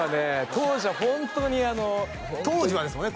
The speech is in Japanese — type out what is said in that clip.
当時はホントに当時はですもんね